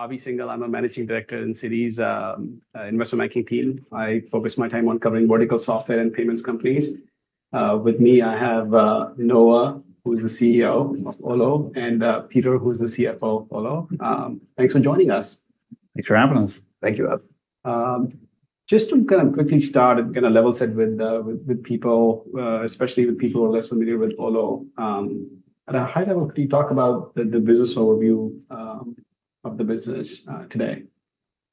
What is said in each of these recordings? Obviously, I'm a Managing Director in Citi's Investment Banking team. I focus my time on covering vertical software and payments companies. With me, I have Noah, who is the CEO of Olo, and Peter, who is the CFO of Olo. Thanks for joining us. Thanks for having us. Thank you. Just to kind of quickly start and kind of level set with people, especially with people who are less familiar with Olo. At a high level, could you talk about the business overview of the business today?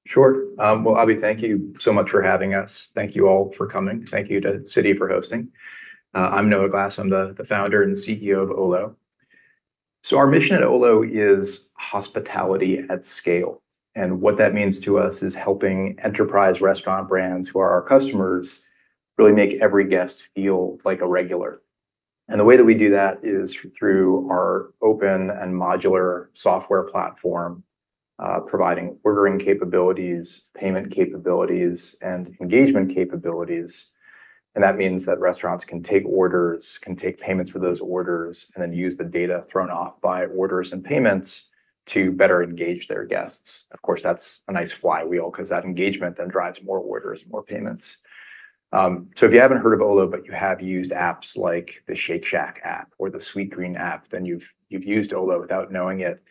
Sure. Well, obviously, thank you so much for having us. Thank you all for coming. Thank you to Citi for hosting. I'm Noah Glass. I'm the Founder and CEO of Olo. So our mission at Olo is hospitality at scale. And what that means to us is helping enterprise restaurant brands who are our customers really make every guest feel like a regular. And the way that we do that is through our open and modular software platform, providing ordering capabilities, payment capabilities, and engagement capabilities. And that means that restaurants can take orders, can take payments for those orders, and then use the data thrown off by orders and payments to better engage their guests. Of course, that's a nice flywheel because that engagement then drives more orders and more payments. So if you haven't heard of Olo, but you have used apps like the Shake Shack app or the Sweetgreen app, then you've used Olo without knowing it.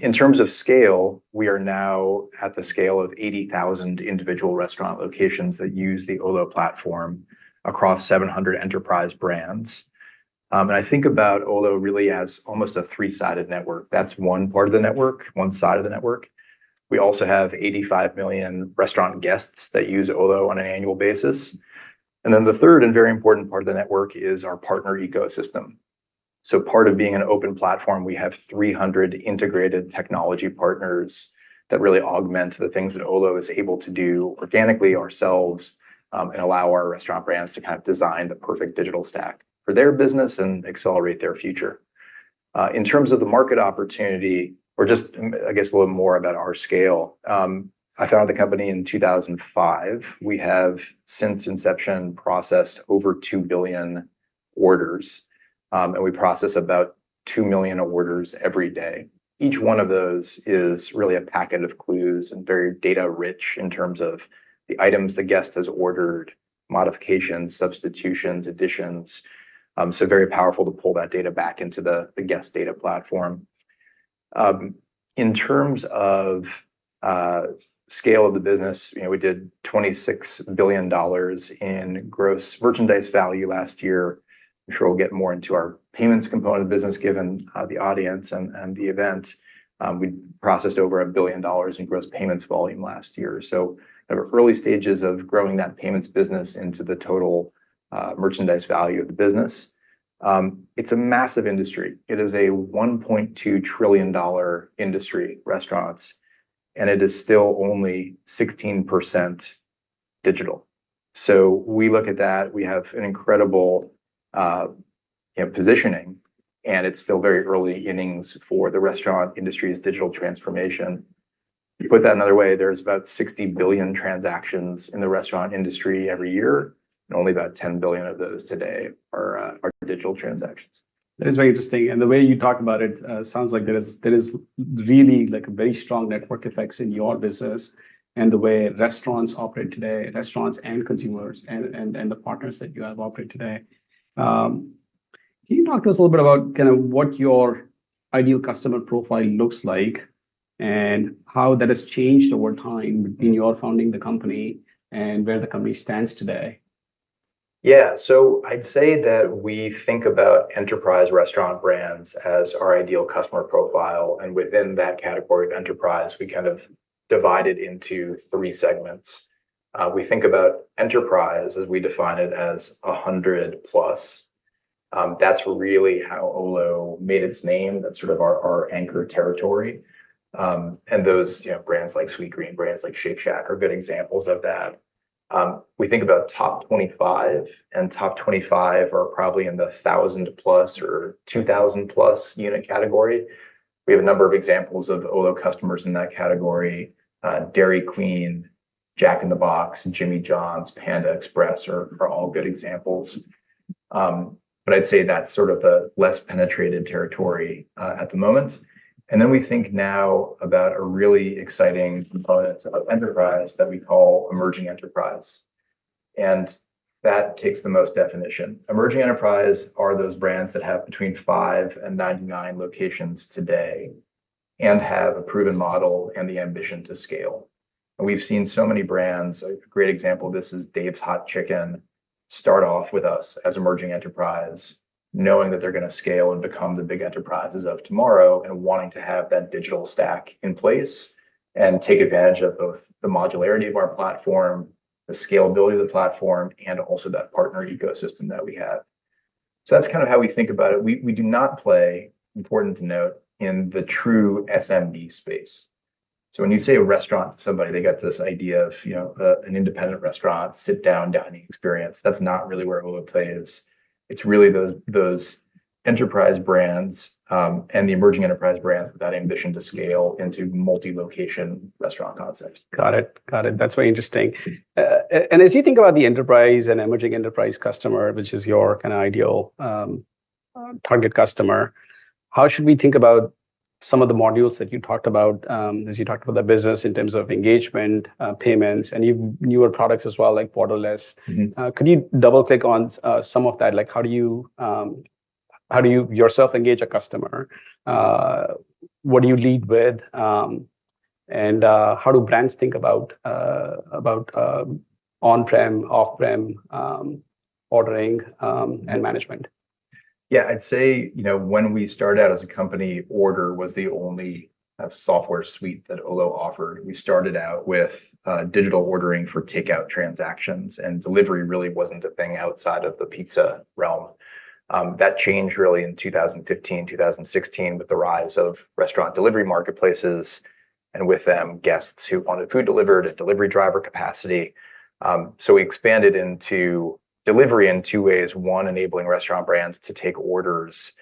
In terms of scale, we are now at the scale of 80,000 individual restaurant locations that use the Olo platform across 700 enterprise brands. And I think about Olo really as almost a three-sided network. That's one part of the network, one side of the network. We also have 85 million restaurant guests that use Olo on an annual basis. And then the third and very important part of the network is our partner ecosystem. So part of being an open platform, we have 300 integrated technology partners that really augment the things that Olo is able to do organically ourselves, and allow our restaurant brands to kind of design the perfect digital stack for their business and accelerate their future. In terms of the market opportunity, or just, I guess, a little bit more about our scale, I founded the company in 2005. We have, since inception, processed over 2 billion orders. And we process about 2 million orders every day. Each one of those is really a packet of clues and very data-rich in terms of the items the guest has ordered, modifications, substitutions, additions. So very powerful to pull that data back into the, the guest data platform. In terms of scale of the business, you know, we did $26 billion in gross merchandise value last year. I'm sure we'll get more into our payments component of the business given the audience and the event. We processed over $1 billion in gross payments volume last year. So kind of early stages of growing that payments business into the total merchandise value of the business. It's a massive industry. It is a $1.2 trillion industry, restaurants. And it is still only 16% digital. So we look at that. We have an incredible, you know, positioning. And it's still very early innings for the restaurant industry's digital transformation. Put that another way, there's about 60 billion transactions in the restaurant industry every year. And only about 10 billion of those today are digital transactions. That is very interesting. The way you talk about it sounds like there is really like a very strong network effects in your business. The way restaurants operate today, restaurants and consumers and the partners that you have operate today. Can you talk to us a little bit about kind of what your ideal customer profile looks like. How that has changed over time between your founding the company and where the company stands today. Yeah. So I'd say that we think about enterprise restaurant brands as our ideal customer profile. And within that category of enterprise, we kind of divide it into three segments. We think about enterprise as we define it as 100+. That's really how Olo made its name. That's sort of our, our anchor territory. And those, you know, brands like Sweetgreen, brands like Shake Shack are good examples of that. We think about top 25. And top 25 are probably in the 1,000+ or 2,000+ unit category. We have a number of examples of Olo customers in that category. Dairy Queen, Jack in the Box, Jimmy John's, Panda Express are, are all good examples. But I'd say that's sort of the less penetrated territory, at the moment. And then we think now about a really exciting component of enterprise that we call emerging enterprise. That takes the most definition. Emerging enterprise are those brands that have between five and 99 locations today. They have a proven model and the ambition to scale. We've seen so many brands. A great example, this is Dave's Hot Chicken start off with us as emerging enterprise, knowing that they're gonna scale and become the big enterprises of tomorrow, and wanting to have that digital stack in place. They take advantage of both the modularity of our platform, the scalability of the platform, and also that partner ecosystem that we have. So that's kind of how we think about it. We, we do not play, important to note, in the true SMB space. So when you say a restaurant to somebody, they got this idea of, you know, an independent restaurant, sit-down dining experience. That's not really where Olo plays. It's really those enterprise brands, and the emerging enterprise brands with that ambition to scale into multi-location restaurant concepts. Got it. Got it. That's very interesting. As you think about the enterprise and emerging enterprise customer, which is your kind of ideal, target customer. How should we think about some of the modules that you talked about, as you talked about the business in terms of engagement, payments, and you, newer products as well, like Borderless. Could you double click on, some of that? Like, how do you, how do you yourself engage a customer? What do you lead with? How do brands think about, about, on-prem, off-prem, ordering, and management? Yeah. I'd say, you know, when we started out as a company, Order was the only kind of software suite that Olo offered. We started out with digital ordering for takeout transactions. And delivery really wasn't a thing outside of the pizza realm. That changed really in 2015, 2016, with the rise of restaurant delivery marketplaces. And with them, guests who wanted food delivered at delivery driver capacity. So we expanded into delivery in two ways. One, enabling restaurant brands to take orders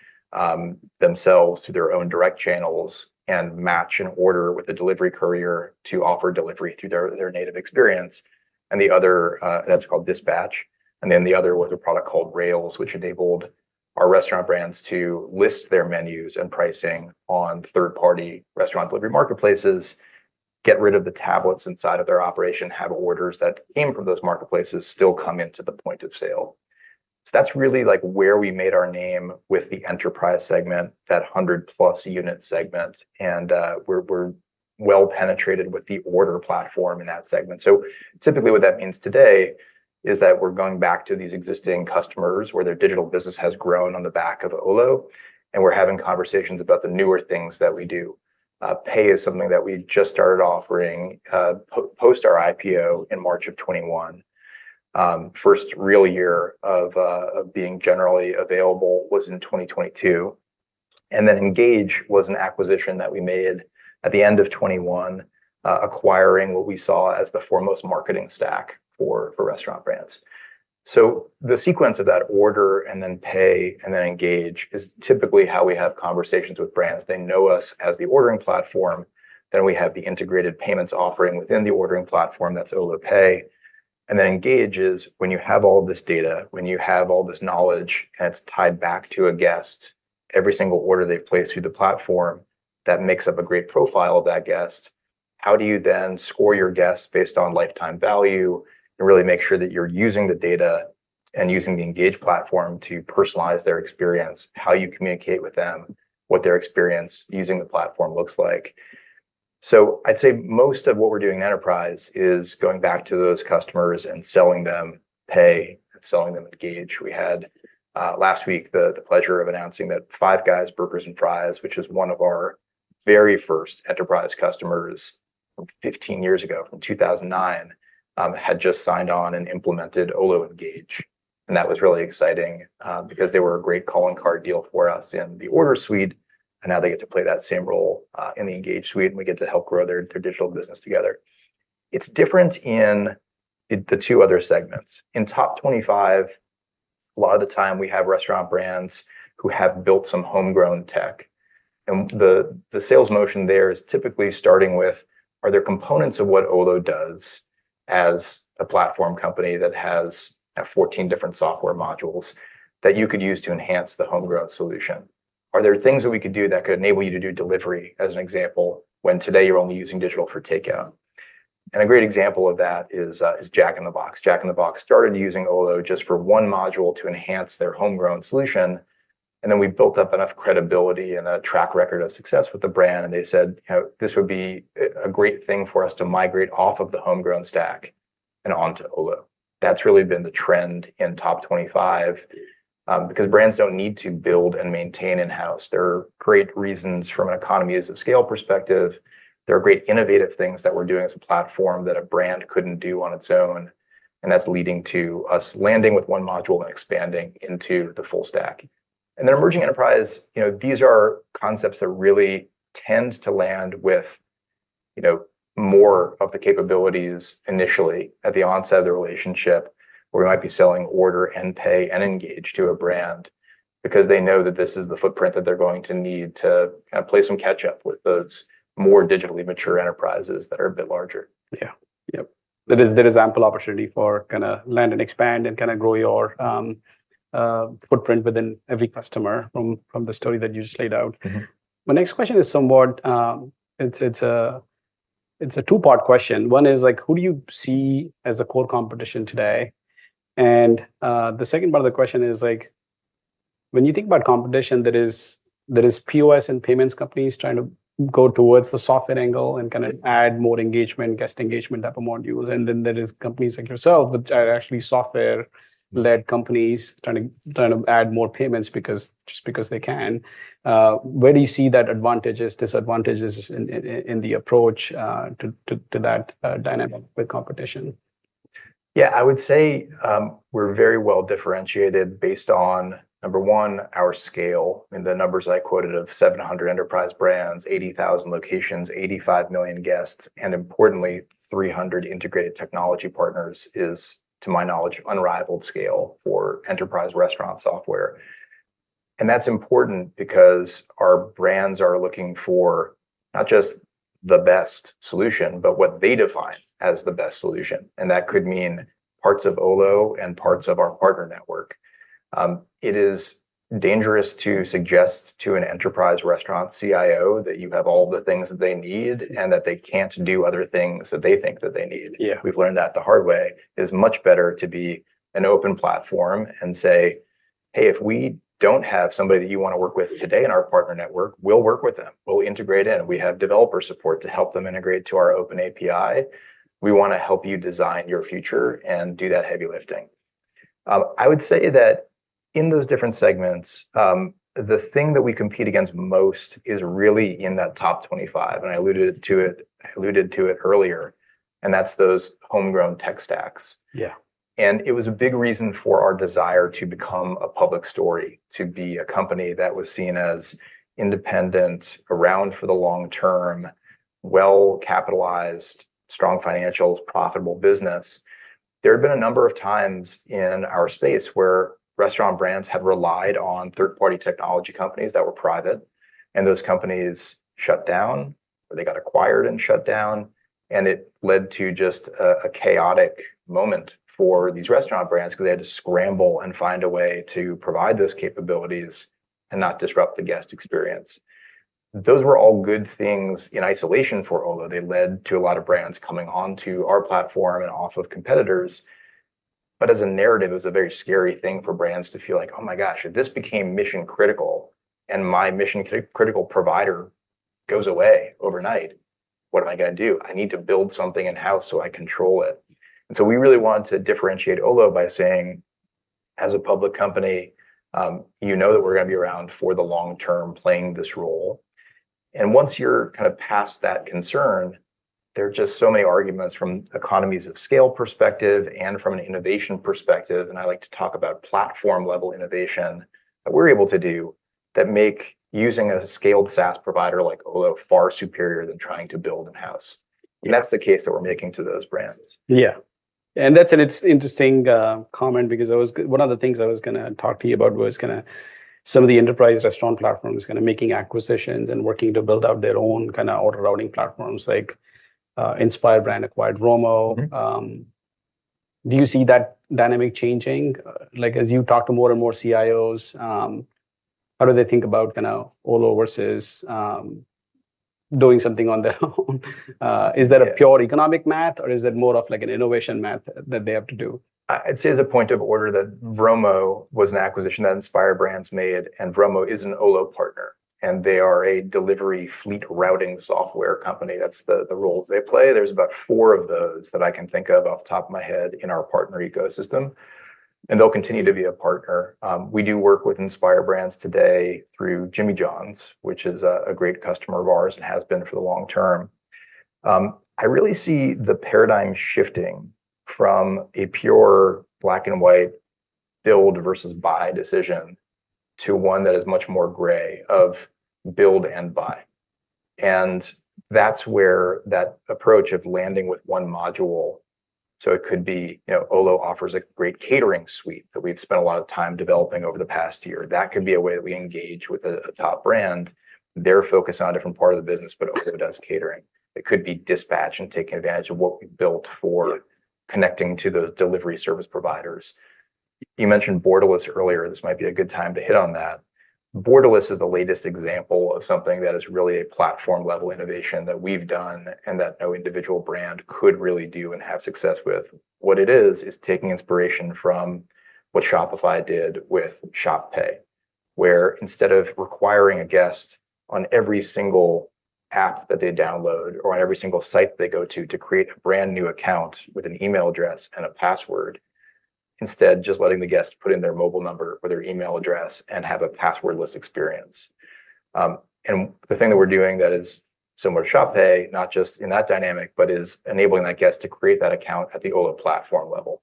themselves through their own direct channels and match an order with a delivery courier to offer delivery through their native experience. And the other, that's called Dispatch. And then the other was a product called Rails, which enabled our restaurant brands to list their menus and pricing on third-party restaurant delivery marketplaces. Get rid of the tablets inside of their operation, have orders that came from those marketplaces still come into the point of sale. So that's really, like, where we made our name with the enterprise segment, that 100+ unit segment. And, we're, we're well penetrated with the order platform in that segment. So typically, what that means today is that we're going back to these existing customers where their digital business has grown on the back of Olo. And we're having conversations about the newer things that we do. Pay is something that we just started offering, post our IPO in March 2021. First real year of, of being generally available was in 2022. And then Engage was an acquisition that we made at the end of 2021, acquiring what we saw as the foremost marketing stack for, for restaurant brands. So the sequence of that Order, and then Pay, and then engage is typically how we have conversations with brands. They know us as the ordering platform. Then we have the integrated payments offering within the ordering platform that's Olo Pay. And then Engage is when you have all of this data, when you have all this knowledge, and it's tied back to a guest, every single order they've placed through the platform that makes up a great profile of that guest. How do you then score your guests based on lifetime value and really make sure that you're using the data and using the Engage platform to personalize their experience, how you communicate with them, what their experience using the platform looks like? So I'd say most of what we're doing in enterprise is going back to those customers and selling them pay and selling them Engage. We had last week the pleasure of announcing that Five Guys Burgers and Fries, which is one of our very first enterprise customers from 15 years ago, from 2009, had just signed on and implemented Olo Engage. That was really exciting, because they were a great calling card deal for us in the order suite. Now they get to play that same role in the engage suite. We get to help grow their digital business together. It's different in the two other segments. In top 25, a lot of the time we have restaurant brands who have built some homegrown tech. The sales motion there is typically starting with, are there components of what Olo does as a platform company that has 14 different software modules that you could use to enhance the homegrown solution? Are there things that we could do that could enable you to do delivery, as an example, when today you're only using digital for takeout? And a great example of that is Jack in the Box. Jack in the Box started using Olo just for one module to enhance their homegrown solution. And then we built up enough credibility and a track record of success with the brand. And they said, you know, this would be a great thing for us to migrate off of the homegrown stack and onto Olo. That's really been the trend in top 25, because brands don't need to build and maintain in-house. There are great reasons from an economies of scale perspective. There are great innovative things that we're doing as a platform that a brand couldn't do on its own. That's leading to us landing with one module and expanding into the full stack. Then emerging enterprise, you know, these are concepts that really tend to land with, you know, more of the capabilities initially at the onset of the relationship, where we might be selling order and pay and engage to a brand. Because they know that this is the footprint that they're going to need to kind of play some catch-up with those more digitally mature enterprises that are a bit larger. Yeah. Yep. That is ample opportunity for kind of land and expand and kind of grow your footprint within every customer from the story that you just laid out. My next question is somewhat; it's a two-part question. One is, like, who do you see as the core competition today? And the second part of the question is, like, when you think about competition, there is POS and payments companies trying to go towards the software angle and kind of add more engagement, guest engagement type of modules. And then there is companies like yourself, which are actually software-led companies trying to add more payments because just because they can. Where do you see that advantages, disadvantages in the approach to that dynamic with competition? Yeah. I would say, we're very well differentiated based on, number one, our scale. I mean, the numbers I quoted of 700 enterprise brands, 80,000 locations, 85 million guests, and importantly, 300 integrated technology partners is, to my knowledge, unrivaled scale for enterprise restaurant software. And that's important because our brands are looking for not just the best solution, but what they define as the best solution. And that could mean parts of Olo and parts of our partner network. It is dangerous to suggest to an enterprise restaurant CIO that you have all the things that they need and that they can't do other things that they think that they need. Yeah, we've learned that the hard way. It is much better to be an open platform and say, "Hey, if we don't have somebody that you want to work with today in our partner network, we'll work with them. We'll integrate in. We have developer support to help them integrate to our open API. We want to help you design your future and do that heavy lifting." I would say that in those different segments, the thing that we compete against most is really in that top 25. And I alluded to it, I alluded to it earlier. And that's those homegrown tech stacks. Yeah, and it was a big reason for our desire to become a public company, to be a company that was seen as independent, around for the long term, well capitalized, strong financials, profitable business. There had been a number of times in our space where restaurant brands had relied on third-party technology companies that were private. Those companies shut down, or they got acquired and shut down. It led to just a chaotic moment for these restaurant brands because they had to scramble and find a way to provide those capabilities and not disrupt the guest experience. Those were all good things in isolation for Olo. They led to a lot of brands coming onto our platform and off of competitors. But as a narrative, it was a very scary thing for brands to feel like, "Oh my gosh, if this became mission critical, and my mission critical provider goes away overnight, what am I gonna do? I need to build something in-house so I control it." So we really wanted to differentiate Olo by saying, as a public company, you know that we're gonna be around for the long term playing this role. Once you're kind of past that concern, there are just so many arguments from economies of scale perspective and from an innovation perspective. I like to talk about platform level innovation that we're able to do that make using a scaled SaaS provider like Olo far superior than trying to build in-house. That's the case that we're making to those brands. Yeah. And that's an interesting comment because one of the things I was gonna talk to you about was kind of some of the enterprise restaurant platforms kind of making acquisitions and working to build out their own kind of order routing platforms like, Inspire Brands acquired Vromo. Do you see that dynamic changing? Like, as you talk to more and more CIOs, how do they think about kind of Olo versus, doing something on their own? Is that a pure economic math, or is that more of like an innovation math that they have to do? I'd say as a point of order that Vromo was an acquisition that Inspire Brands made. Vromo is an Olo partner. They are a delivery fleet routing software company. That's the role they play. There's about four of those that I can think of off the top of my head in our partner ecosystem. They'll continue to be a partner. We do work with Inspire Brands today through Jimmy John's, which is a great customer of ours and has been for the long term. I really see the paradigm shifting from a pure black and white build versus buy decision to one that is much more gray of build and buy. That's where that approach of landing with one module. So it could be, you know, Olo offers a great catering suite that we've spent a lot of time developing over the past year. That could be a way that we engage with a top brand. They're focused on a different part of the business, but Olo does catering. It could be dispatch and taking advantage of what we've built for connecting to those delivery service providers. You mentioned Borderless earlier. This might be a good time to hit on that. Borderless is the latest example of something that is really a platform level innovation that we've done and that no individual brand could really do and have success with. What it is, is taking inspiration from what Shopify did with Shop Pay. Where instead of requiring a guest on every single app that they download or on every single site that they go to to create a brand new account with an email address and a password, instead, just letting the guest put in their mobile number or their email address and have a passwordless experience. And the thing that we're doing that is similar to Shop Pay, not just in that dynamic, but is enabling that guest to create that account at the Olo platform level.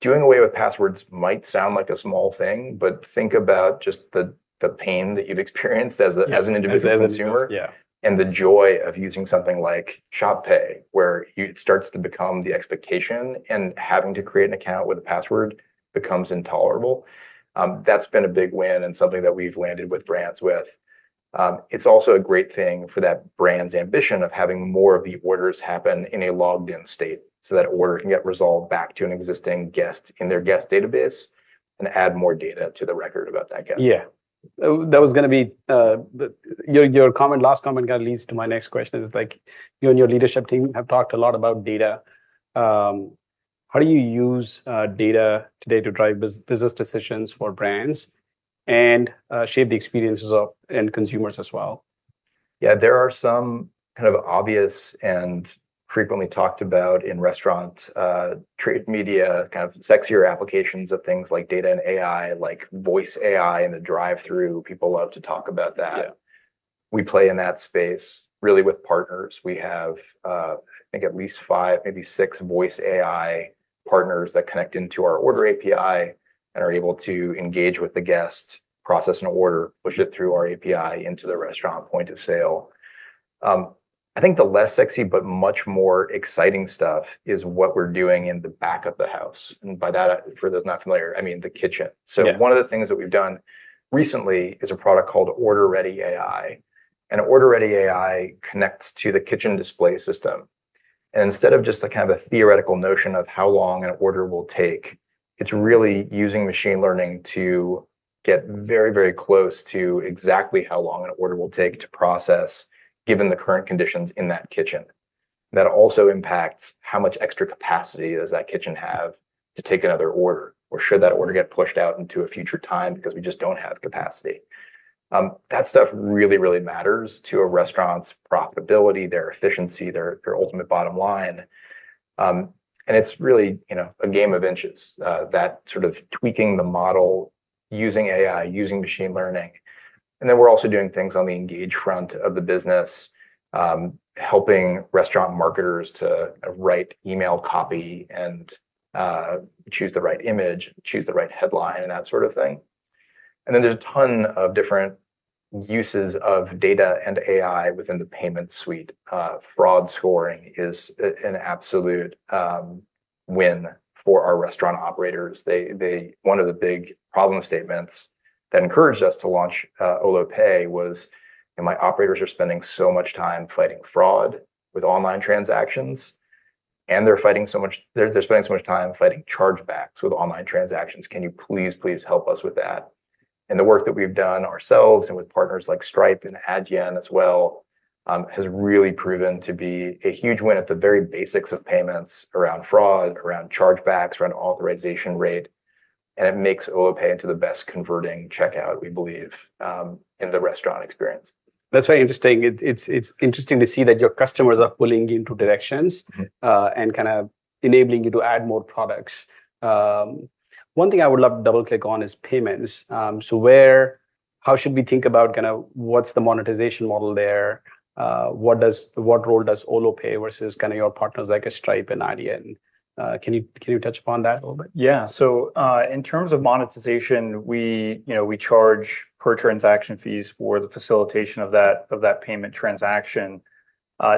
Doing away with passwords might sound like a small thing, but think about just the the pain that you've experienced as an individual consumer and the joy of using something like Shop Pay, where it starts to become the expectation and having to create an account with a password becomes intolerable. That's been a big win and something that we've landed with brands with. It's also a great thing for that brand's ambition of having more of the orders happen in a logged in state so that order can get resolved back to an existing guest in their guest database and add more data to the record about that guest. Yeah. That was gonna be, your comment, last comment kind of leads to my next question is, like, you and your leadership team have talked a lot about data. How do you use data today to drive business decisions for brands and shape the experiences of consumers as well? Yeah. There are some kind of obvious and frequently talked about in restaurant, trade media kind of sexier applications of things like data and AI, like Voice AI in the drive-through. People love to talk about that. Yeah, we play in that space really with partners. We have, I think at least five, maybe six Voice AI partners that connect into our order API and are able to engage with the guest, process an order, push it through our API into the restaurant point of sale. I think the less sexy but much more exciting stuff is what we're doing in the back of the house. And by that, for those not familiar, I mean the kitchen. So one of the things that we've done recently is a product called OrderReady AI. And OrderReady AI connects to the kitchen display system. Instead of just a kind of a theoretical notion of how long an order will take, it's really using machine learning to get very, very close to exactly how long an order will take to process given the current conditions in that kitchen. That also impacts how much extra capacity does that kitchen have to take another order? Or should that order get pushed out into a future time because we just don't have capacity? That stuff really, really matters to a restaurant's profitability, their efficiency, their ultimate bottom line. It's really, you know, a game of inches, that sort of tweaking the model, using AI, using machine learning. Then we're also doing things on the engage front of the business, helping restaurant marketers to kind of write email copy and, choose the right image, choose the right headline, and that sort of thing. And then there's a ton of different uses of data and AI within the payment suite. Fraud scoring is an absolute win for our restaurant operators. One of the big problem statements that encouraged us to launch Olo Pay was, you know, my operators are spending so much time fighting fraud with online transactions. And they're fighting so much, they're spending so much time fighting chargebacks with online transactions. Can you please, please help us with that? And the work that we've done ourselves and with partners like Stripe and Adyen as well has really proven to be a huge win at the very basics of payments around fraud, around chargebacks, around authorization rate. And it makes Olo Pay into the best converting checkout, we believe, in the restaurant experience. That's very interesting. It's, it's interesting to see that your customers are pulling you into directions, and kind of enabling you to add more products. One thing I would love to double click on is payments. So where, how should we think about kind of what's the monetization model there? What does, what role does Olo Pay versus kind of your partners like a Stripe and Adyen? Can you, can you touch upon that a little bit? Yeah. So, in terms of monetization, we, you know, we charge per transaction fees for the facilitation of that, of that payment transaction.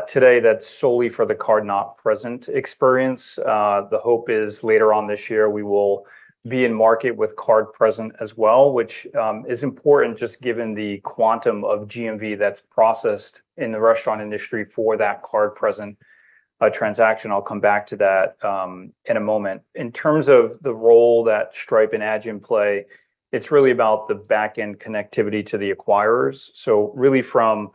Today, that's solely for the card-not-present experience. The hope is later on this year, we will be in market with card-present as well, which, is important just given the quantum of GMV that's processed in the restaurant industry for that card-present transaction. I'll come back to that, in a moment. In terms of the role that Stripe and Adyen play, it's really about the backend connectivity to the acquirers. So really from,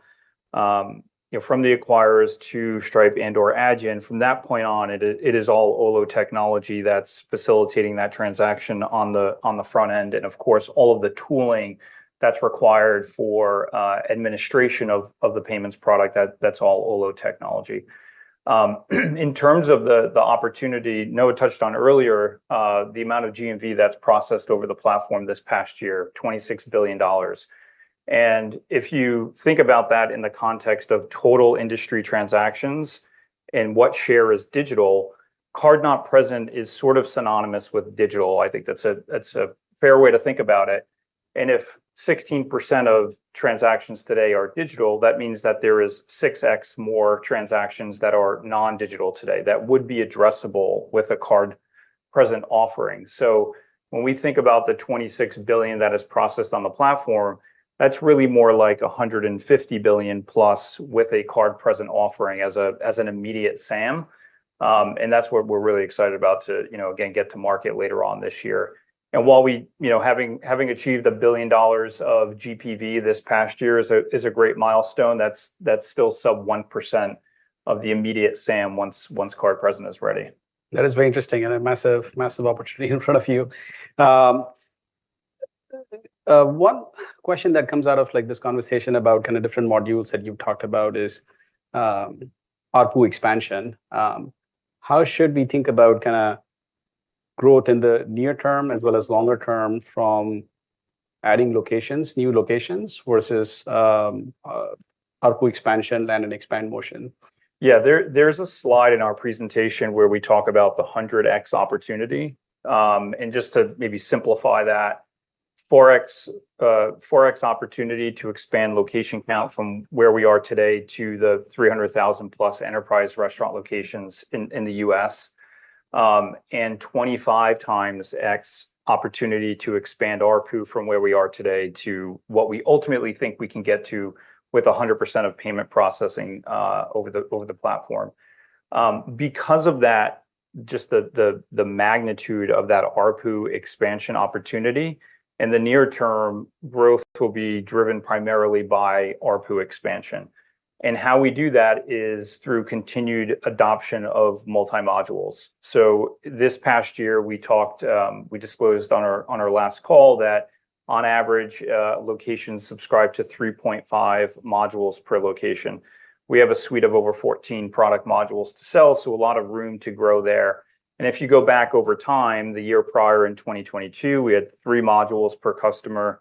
you know, from the acquirers to Stripe and/or Adyen, from that point on, it is all Olo technology that's facilitating that transaction on the, on the front end. And of course, all of the tooling that's required for, administration of, of the payments product, that, that's all Olo technology. In terms of the opportunity, Noah touched on earlier, the amount of GMV that's processed over the platform this past year, $26 billion. And if you think about that in the context of total industry transactions and what share is digital, card-not-present is sort of synonymous with digital. I think that's a fair way to think about it. And if 16% of transactions today are digital, that means that there is 6x more transactions that are non-digital today that would be addressable with a card-present offering. So when we think about the $26 billion that is processed on the platform, that's really more like $150 billion plus with a card-present offering as an immediate SAM. And that's what we're really excited about to, you know, again, get to market later on this year. While we, you know, having achieved $1 billion of GPV this past year is a great milestone, that's still sub 1% of the immediate SAM once card-present is ready. That is very interesting and a massive, massive opportunity in front of you. One question that comes out of like this conversation about kind of different modules that you've talked about is, ARPU expansion. How should we think about kind of growth in the near term as well as longer term from adding locations, new locations versus, ARPU expansion and an expand motion? Yeah. There's a slide in our presentation where we talk about the 100x opportunity. Just to maybe simplify that, 4x, 4x opportunity to expand location count from where we are today to the 300,000+ enterprise restaurant locations in the U.S. 25x opportunity to expand ARPU from where we are today to what we ultimately think we can get to with 100% of payment processing over the platform. Because of that, just the magnitude of that ARPU expansion opportunity in the near term, growth will be driven primarily by ARPU expansion. How we do that is through continued adoption of multi-modules. So this past year, we talked, we disclosed on our last call that on average, locations subscribe to 3.5 modules per location. We have a suite of over 14 product modules to sell. A lot of room to grow there. If you go back over time, the year prior in 2022, we had three modules per customer.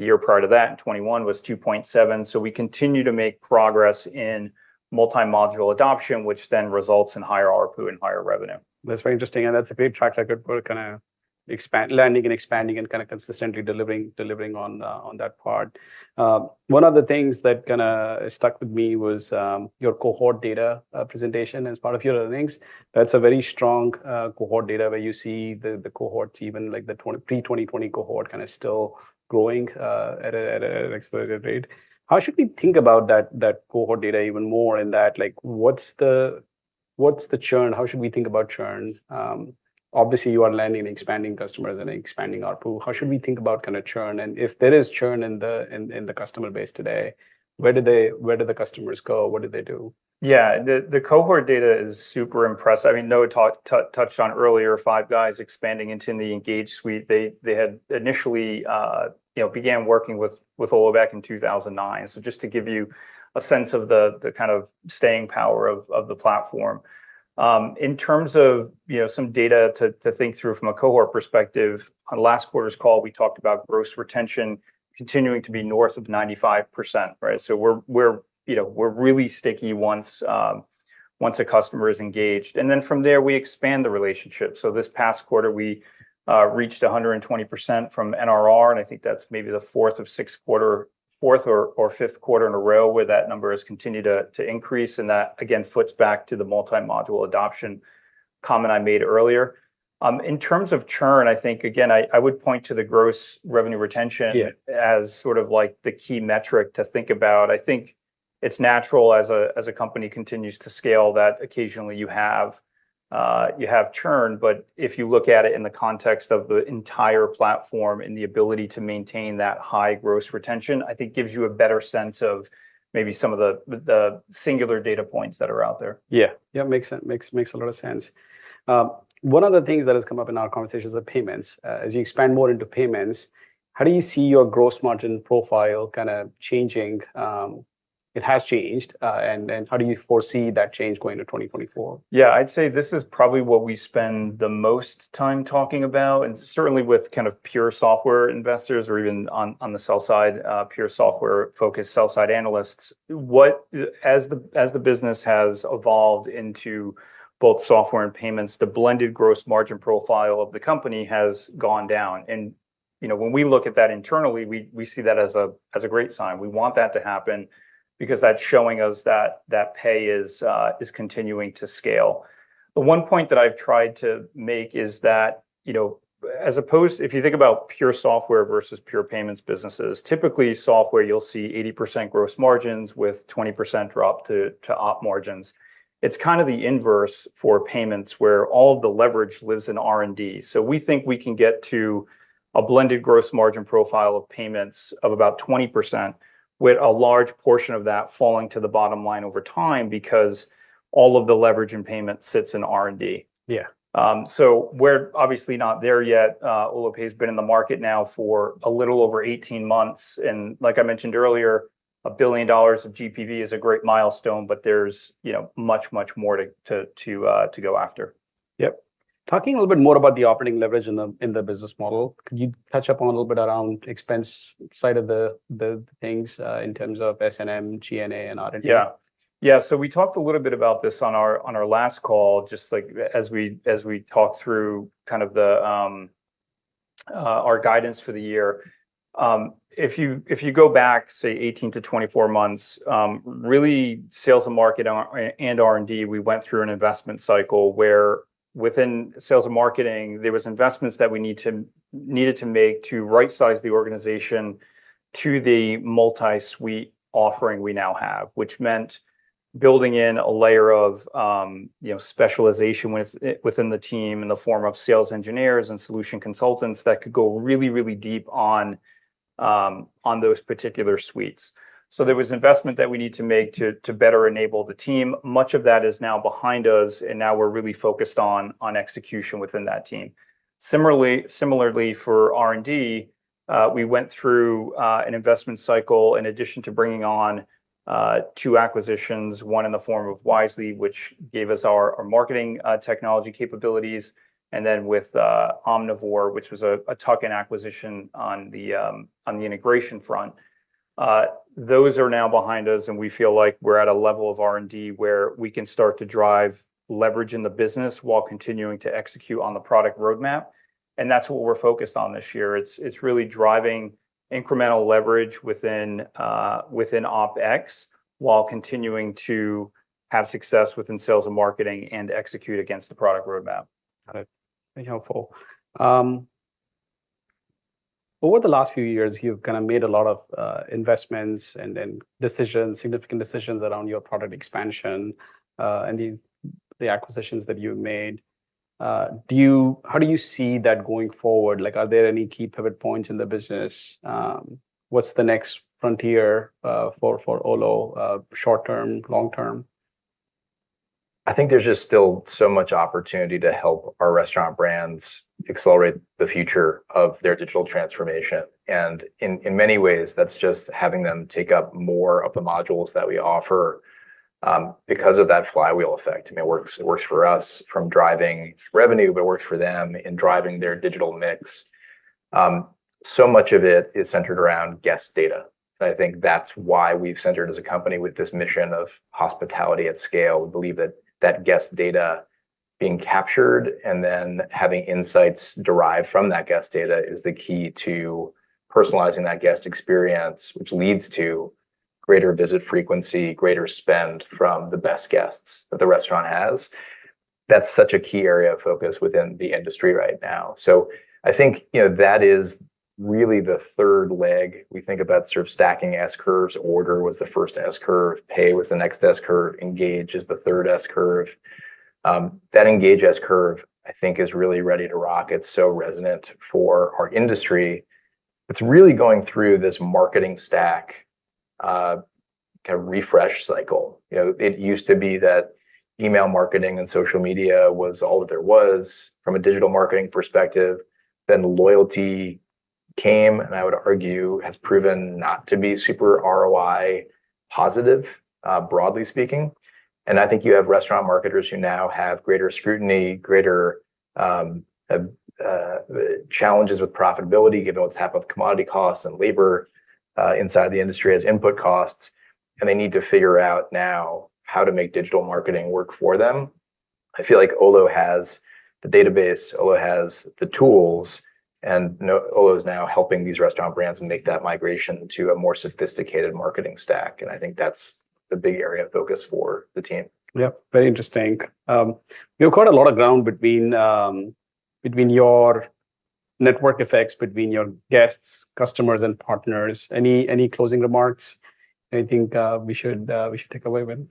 The year prior to that in 2021 was 2.7. We continue to make progress in multi-module adoption, which then results in higher ARPU and higher revenue. That's very interesting. That's a big track that could kind of expand, landing and expanding and kind of consistently delivering, delivering on, on that part. One of the things that kind of stuck with me was your cohort data presentation as part of your earnings. That's a very strong cohort data where you see the, the cohort, even like the pre-2020 cohort kind of still growing at a, at an accelerated rate. How should we think about that, that cohort data even more in that, like, what's the, what's the churn? How should we think about churn? Obviously, you are landing and expanding customers and expanding ARPU. How should we think about kind of churn? And if there is churn in the, in, in the customer base today, where do they, where do the customers go? What do they do? Yeah. The cohort data is super impressive. I mean, Noah touched on earlier, Five Guys expanding into the Engage suite. They had initially, you know, began working with Olo back in 2009. So just to give you a sense of the kind of staying power of the platform. In terms of, you know, some data to think through from a cohort perspective, on last quarter's call, we talked about gross retention continuing to be north of 95%, right? So we're, you know, we're really sticky once a customer is engaged. And then from there, we expand the relationship. So this past quarter, we reached 120% NRR. And I think that's maybe the fourth or fifth quarter in a row where that number has continued to increase. That, again, foots back to the multi-module adoption comment I made earlier. In terms of churn, I think, again, I, I would point to the gross revenue retention as sort of like the key metric to think about. I think it's natural as a, as a company continues to scale that occasionally you have, you have churn. But if you look at it in the context of the entire platform and the ability to maintain that high gross retention, I think gives you a better sense of maybe some of the, the singular data points that are out there. Yeah. Yeah, makes sense. Makes, makes a lot of sense. One of the things that has come up in our conversations are payments. As you expand more into payments, how do you see your gross margin profile kind of changing? It has changed. And, and how do you foresee that change going to 2024? Yeah. I'd say this is probably what we spend the most time talking about. Certainly with kind of pure software investors or even on, on the sell side, pure software-focused sell side analysts, what, as the, as the business has evolved into both software and payments, the blended gross margin profile of the company has gone down. You know, when we look at that internally, we, we see that as a, as a great sign. We want that to happen because that's showing us that, that pay is, is continuing to scale. The one point that I've tried to make is that, you know, as opposed to if you think about pure software versus pure payments businesses, typically software, you'll see 80% gross margins with 20% drop to, to op margins. It's kind of the inverse for payments where all of the leverage lives in R&D. So we think we can get to a blended gross margin profile of payments of about 20% with a large portion of that falling to the bottom line over time because all of the leverage in payment sits in R&D. Yeah. So we're obviously not there yet. Olo Pay has been in the market now for a little over 18 months. And like I mentioned earlier, $1 billion of GPV is a great milestone, but there's, you know, much, much more to, to, to, to go after. Yep. Talking a little bit more about the operating leverage in the business model, could you touch upon a little bit around expense side of the things, in terms of S&M, G&A, and R&D? Yeah. Yeah. So we talked a little bit about this on our, on our last call, just like as we, as we talked through kind of the, our guidance for the year. If you, if you go back, say 18-24 months, really sales and marketing and R&D, we went through an investment cycle where within sales and marketing, there was investments that we needed to make to right-size the organization to the multi-suite offering we now have, which meant building in a layer of, you know, specialization within the team in the form of sales engineers and solution consultants that could go really, really deep on, on those particular suites. So there was investment that we need to make to, to better enable the team. Much of that is now behind us. And now we're really focused on, on execution within that team. Similarly for R&D, we went through an investment cycle in addition to bringing on two acquisitions, one in the form of Wisely, which gave us our marketing technology capabilities. Then with Omnivore, which was a tuck-in acquisition on the integration front. Those are now behind us. We feel like we're at a level of R&D where we can start to drive leverage in the business while continuing to execute on the product roadmap. That's what we're focused on this year. It's really driving incremental leverage within OpEx while continuing to have success within sales and marketing and execute against the product roadmap. Got it. Very helpful. Over the last few years, you've kind of made a lot of investments and decisions, significant decisions around your product expansion, and the acquisitions that you made. How do you see that going forward? Like, are there any key pivot points in the business? What's the next frontier for Olo, short term, long term? I think there's just still so much opportunity to help our restaurant brands accelerate the future of their digital transformation. In many ways, that's just having them take up more of the modules that we offer, because of that flywheel effect. I mean, it works, it works for us from driving revenue, but it works for them in driving their digital mix. So much of it is centered around guest data. I think that's why we've centered as a company with this mission of hospitality at scale. We believe that that guest data being captured and then having insights derived from that guest data is the key to personalizing that guest experience, which leads to greater visit frequency, greater spend from the best guests that the restaurant has. That's such a key area of focus within the industry right now. So I think, you know, that is really the third leg. We think about sort of stacking S-curves. Order was the first S-curve. Pay was the next S-curve. Engage is the third S-curve. That Engage S-curve, I think, is really ready to rock. It's so resonant for our industry. It's really going through this marketing stack, kind of refresh cycle. You know, it used to be that email marketing and social media was all that there was from a digital marketing perspective. Then loyalty came, and I would argue has proven not to be super ROI positive, broadly speaking. And I think you have restaurant marketers who now have greater scrutiny, greater challenges with profitability, given what's happened with commodity costs and labor, inside the industry as input costs. And they need to figure out now how to make digital marketing work for them. I feel like Olo has the database. Olo has the tools. Olo is now helping these restaurant brands make that migration to a more sophisticated marketing stack. I think that's the big area of focus for the team. Yep. Very interesting. We've covered a lot of ground between your network effects, between your guests, customers, and partners. Any closing remarks? Anything we should take away with?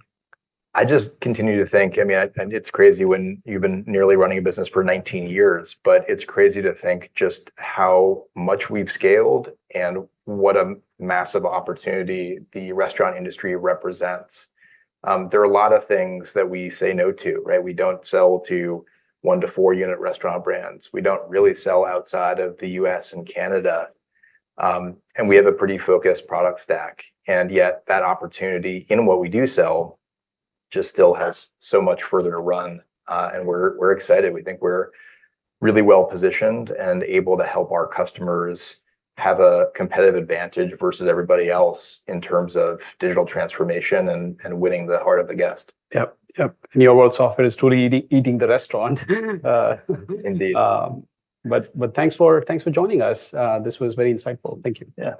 I just continue to think, I mean, and it's crazy when you've been nearly running a business for 19 years, but it's crazy to think just how much we've scaled and what a massive opportunity the restaurant industry represents. There are a lot of things that we say no to, right? We don't sell to one to four unit restaurant brands. We don't really sell outside of the U.S. and Canada. We have a pretty focused product stack. Yet that opportunity in what we do sell just still has so much further to run. We're, we're excited. We think we're really well positioned and able to help our customers have a competitive advantage versus everybody else in terms of digital transformation and, and winning the heart of the guest. Yep. Yep. And Olo's offerings are truly eating the restaurant. Indeed. Thanks for joining us. This was very insightful. Thank you. Yeah.